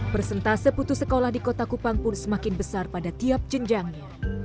persentase putus sekolah di kota kupang pun semakin besar pada tiap jenjangnya